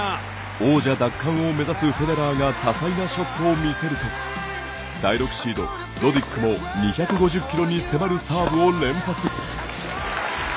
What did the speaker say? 王者奪還を目指すフェデラーが多彩なショットを見せると第６シード、ロディックも２５０キロに迫るサーブを連発。